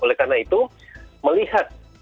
oleh karena itu melihat